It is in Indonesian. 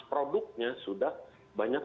produknya sudah banyak